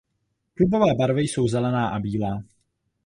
Klubové barvy jsou zelená a bílá.